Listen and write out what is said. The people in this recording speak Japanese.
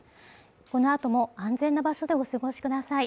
この後も安全な場所でお過ごしください。